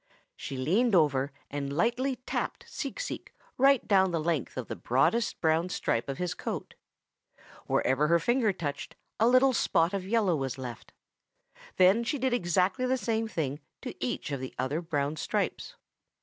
"She leaned over and lightly tapped Seek Seek right down the length of the broadest brown stripe of his coat. Wherever her finger touched a little spot of yellow was left. Then she did the same thing to each of the other brown stripes.